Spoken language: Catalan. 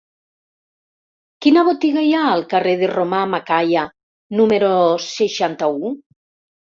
Quina botiga hi ha al carrer de Romà Macaya número seixanta-u?